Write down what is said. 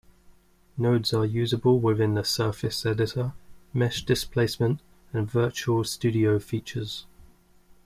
Nodes are usable within the Surface Editor, Mesh Displacement, and Virtual Studio features.